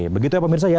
begitu ya pemirsa ya